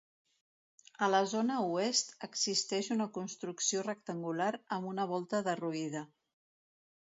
A la zona oest existeix una construcció rectangular amb una volta derruïda.